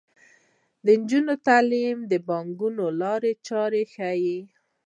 د نجونو تعلیم د پانګونې لارې چارې ښيي.